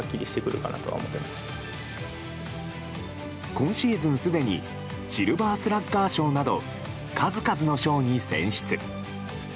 今シーズンすでにシルバースラッガー賞など数々の賞に選出。